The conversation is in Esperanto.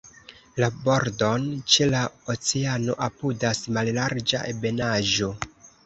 La bordon ĉe la oceano apudas mallarĝa ebenaĵo.